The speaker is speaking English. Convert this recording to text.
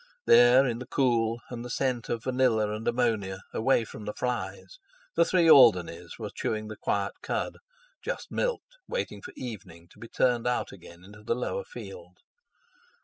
There in the cool, and the scent of vanilla and ammonia, away from flies, the three Alderneys were chewing the quiet cud; just milked, waiting for evening, to be turned out again into the lower field.